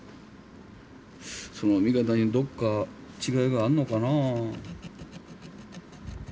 その見方にどっか違いがあんのかな？